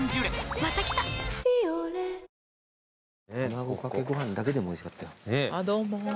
卵掛けご飯だけでもおいしかったよ。